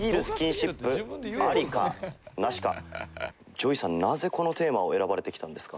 ＪＯＹさんなぜこのテーマを選ばれてきたんですか？